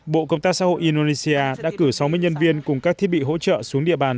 bộ công tác xã hội indonesia đã cử sáu mươi nhân viên cùng các thiết bị hỗ trợ xuống địa bàn